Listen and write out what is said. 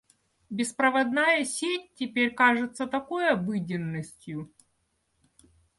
Беспроводная сеть теперь кажется такой обыденностью.